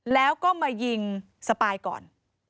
แล้วก็มายิงสปายก่อน